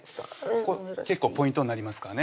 結構ポイントになりますからね